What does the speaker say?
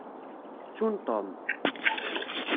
Ttun Tom.